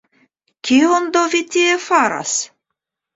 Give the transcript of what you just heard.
Kion do vi tie faras?